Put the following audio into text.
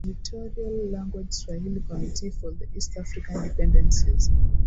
Inter territorial Language Swahili committee for the East African Dependencies